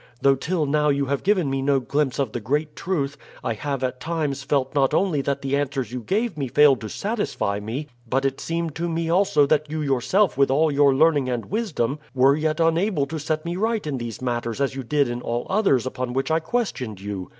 Though till now you have given me no glimpse of the great truth, I have at times felt not only that the answers you gave me failed to satisfy me, but it seemed to me also that you yourself with all your learning and wisdom were yet unable to set me right in these matters as you did in all others upon which I questioned you.